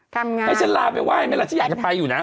ทำไงให้ฉันลาไปไห้ไหมล่ะฉันอยากจะไปอยู่นะ